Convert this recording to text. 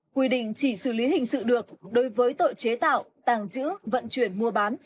quy định chỉ xử lý hình sự được đối với tội chế tạo tàng trữ vận chuyển mua bán